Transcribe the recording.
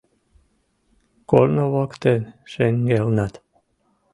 Корно воктен шеҥгелнат